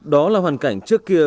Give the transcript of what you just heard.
đó là hoàn cảnh trước kia